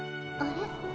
あれ？